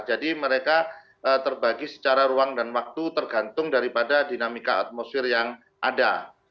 jadi mereka terbagi secara ruang dan waktu tergantung daripada dinamika atmosfer yang ada